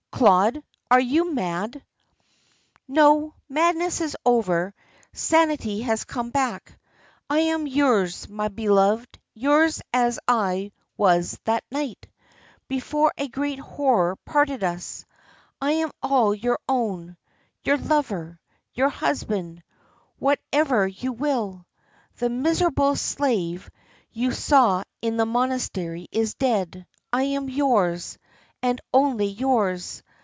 "Claude, are you mad?" "No. Madness is over. Sanity has come back. I am yours again, my beloved, yours as I was that night before a great horror parted us. I am all your own your lover your husband, whatever you will. The miserable slave you saw in the monastery is dead. I am yours, and only yours.